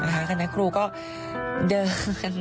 คณครูก็เดิน